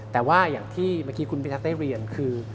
แต่ว่าอย่างที่เมื่อกี้คุณพิทักษ์ได้เรียนคือ